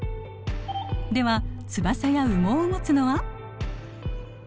では翼や羽毛をもつのは？